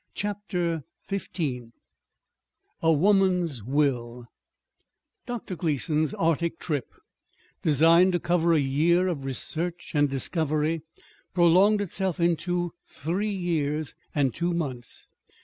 CHAPTER XV A WOMAN'S WILL Dr. Gleason's Arctic trip, designed to cover a year of research and discovery, prolonged itself into three years and two months.